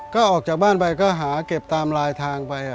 ก็ออกจากบ้านไปก็หาเก็บตามลายทางไป